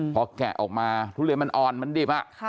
พอแกะออกมาทุเรียนมันอ่อนมันดิบ